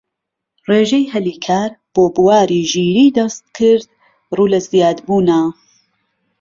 ڕێژەی هەلی کار بۆ بواری ژیریی دەستکرد ڕوو لە زیادبوونە